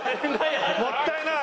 もったいない！